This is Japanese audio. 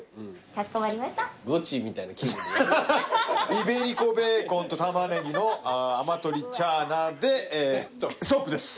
イベリコベーコンと玉葱のアマトリチャーナでストップです。